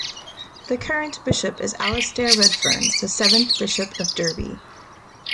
The current bishop is Alastair Redfern, the seventh Bishop of Derby.